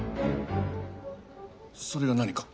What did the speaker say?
それが何か？